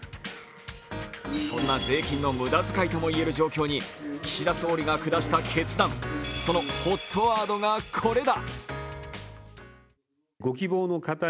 そんな税金の無駄遣いとも言える状況に岸田総理が下した決断そのＨＯＴワードがこれだ。